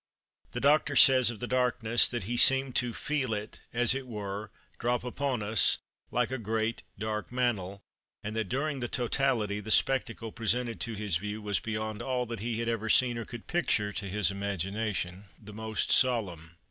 The Doctor says of the darkness that he seemed to "feel it, as it were, drop upon us ... like a great dark mantle," and that during the totality the spectacle presented to his view "was beyond all that he had ever seen or could picture to his imagination the most solemn."